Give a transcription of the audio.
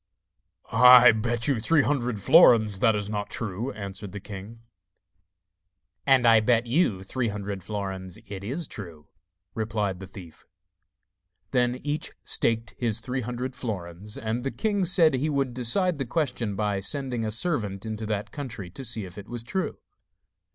'I bet you three hundred florins that is not true,' answered the king. 'And I bet you three hundred florins it is true,' replied the thief. Then each staked his three hundred florins, and the king said he would decide the question by sending a servant into that country to see if it was true.